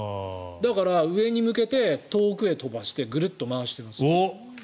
だから上に向けて遠くへ飛ばしてグルッと回してます。